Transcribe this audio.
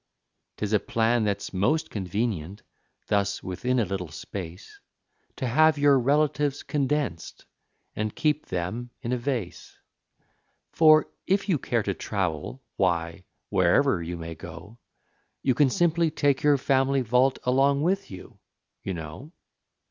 'Tis a plan that's most convenient, thus within a little space, To have your relatives condensed, and keep them in a vase; For if you care to travel, why, wherever you may go, You can simply take your family vault along with you, you know.